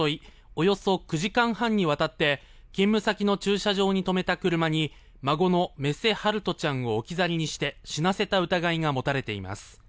およそ９時間半にわたって勤務先の駐車場に止めた車に孫の目瀬陽翔ちゃんを置き去りにして死なせた疑いが持たれています。